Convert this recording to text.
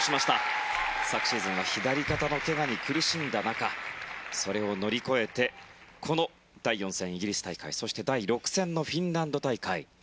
昨シーズンは左肩のけがに苦しんだ中それを乗り越えてこの第４戦、イギリス大会そして第６戦のフィンランド大会。